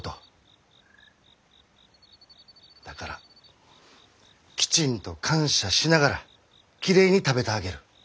だからきちんと感謝しながらきれいに食べてあげる。